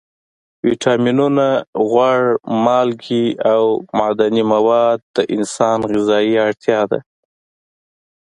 ویټامینونه، غوړ، مالګې او معدني مواد د انسان غذایي اړتیا ده.